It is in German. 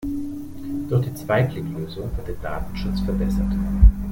Durch die Zwei-Klick-Lösung wird der Datenschutz verbessert.